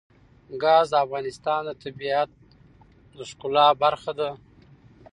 ګاز د افغانستان د طبیعت د ښکلا برخه ده.